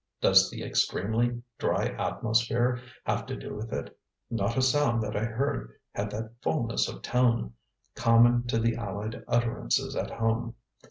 Does the extremely dry atmosphere have to do with it? Not a sound that I heard had that fulness of tone common to the allied utterances at home.